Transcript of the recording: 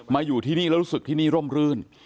อยู่ที่นี่แล้วรู้สึกที่นี่ร่มรื่น